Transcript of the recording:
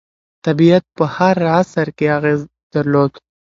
طبیعت په هر عصر کې اغېز درلود.